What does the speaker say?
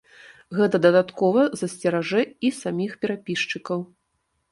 Гэта дадаткова засцеражэ і саміх перапісчыкаў.